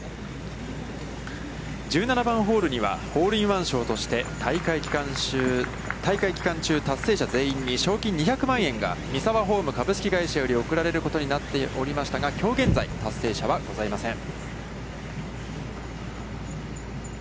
１７番ホールにはホールインワン賞として大会期間中、達成者全員に賞金２００万円がミサワホーム株式会社より贈られることになっておりましたが、きょう現在、達成者はございません。